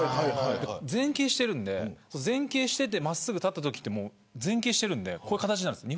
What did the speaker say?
前傾してるんで前傾してて真っすぐ立ったときってこういう形になるんです。